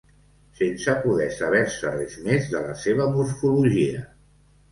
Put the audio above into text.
Sense poder saber-se res més de la seva morfologia.